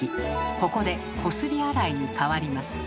ここでこすり洗いに変わります。